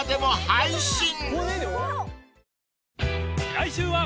［来週は］